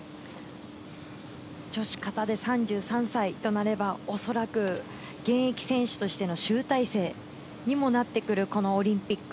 女子形で３３歳となれば、おそらく現役選手としての集大成にもなってくる、このオリンピック。